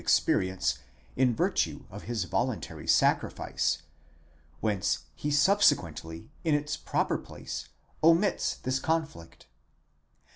experience in virtue of his voluntary sacrifice, whence he subsequently, in its proper place, omits this conflict.